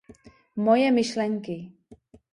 Moje myšlenky: